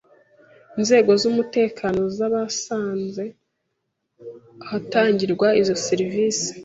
inzego z’umutekano zabasanze ahatangirwa izo serivisi